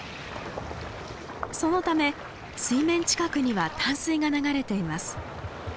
そのため水面近くには淡水が流れています。